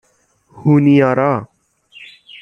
هونیارا